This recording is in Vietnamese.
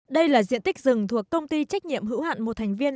đây là diện tích rừng thuộc công ty trách nhiệm hữu hạn một thành viên